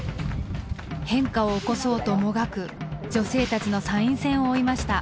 変化を起こそうともがく女性たちの参院選を追いました。